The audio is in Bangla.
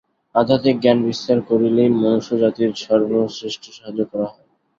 আধ্যাত্মিক জ্ঞান বিস্তার করিলেই মনুষ্যজাতির সর্বশ্রেষ্ঠ সাহায্য করা হয়।